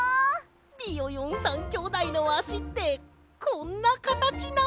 ビヨヨン３きょうだいのあしってこんなかたちなんだ。